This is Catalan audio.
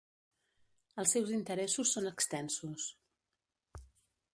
Els seus interessos són extensos.